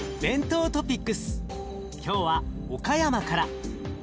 今日は岡山から。